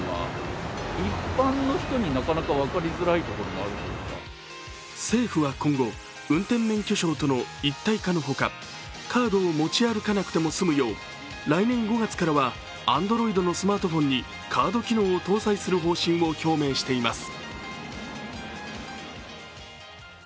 街の人は政府は今後、運転免許証との一体化のほかカードを持ち歩かなくても済むよう、来年５月からはＡｎｄｒｏｉｄのスマートフォンのカード機能を搭載する方針を表明しています。